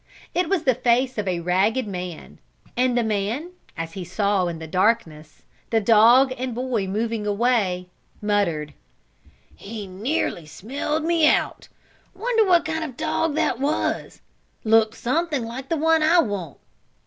It was the face of a ragged man, and the man, as he saw in the darkness the dog and boy moving away, muttered: "He nearly smelled me out! Wonder what kind of a dog that was? Looked something like the one I want.